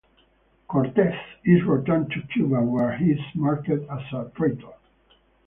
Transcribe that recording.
Cortez is returned to Cuba, where he is a marked as a traitor.